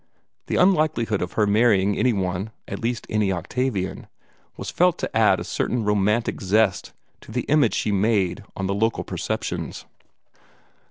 The unlikelihood of her marrying any one at least any Octavian was felt to add a certain romantic zest to the image she made on the local perceptions.